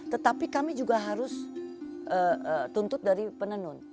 tetapi kami juga harus tuntut dari penenun